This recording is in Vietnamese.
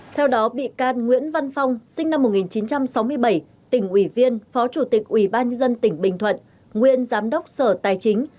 theo đó bị can nguyễn văn phong sinh năm một nghìn chín trăm sáu mươi bảy tỉnh ủy viên phó chủ tịch ủy ban nhân dân tỉnh bình thuận nguyên giám đốc sở tài chính